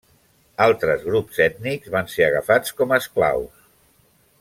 Altres grups ètnics van ser agafats com a esclaus.